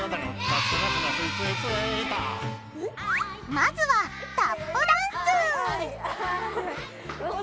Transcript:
まずはタップダンス！